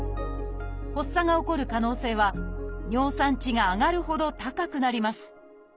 発作が起こる可能性は尿酸値が上がるほど高くなります